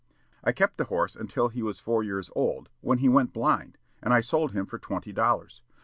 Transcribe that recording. I kept the horse until he was four years old, when he went blind, and I sold him for twenty dollars.